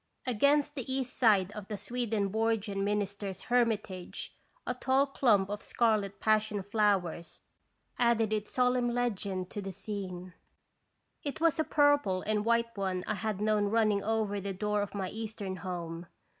Against the east side of the Swedenborgian minister's hermitage a tall clump of scarlet passion flowers added its solemn legend to the scene. It was a purple and white one I had known running over the door of my eastern home.